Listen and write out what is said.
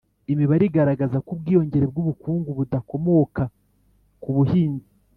imibare iragaragaza ko ubwiyongere bw'ubukungu budakomoka ku buhinzi